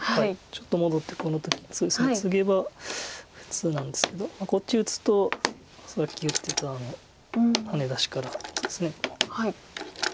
ちょっと戻ってこの時にツゲば普通なんですけどこっち打つとさっき言ってたあのハネ出しからです。